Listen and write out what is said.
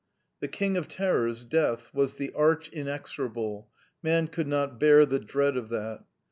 The king of terrors. Death, was the Arch Inexorable : Man could not bear the dread of that.